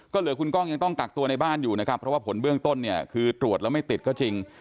ก็เหลือคุณกล้องยังต้องกักตัวในบ้านอยู่นะครับเพราะว่าผลเบื้องต้นเนี่ยคือตรวจแล้วไม่ติดก็จริง